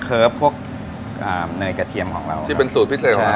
พวกอ่าในกระเทียมของเราที่เป็นสูตรพิเศษของเรา